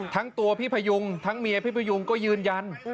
ทั้งตัวพี่พยุงทั้งเมียพี่พยุงก็ยืนยัน